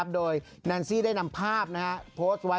โดยแนนซี่ได้นำภาพโพสต์ไว้